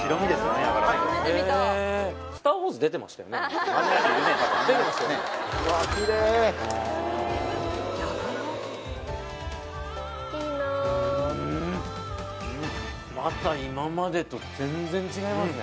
きれいうんまた今までと全然違いますね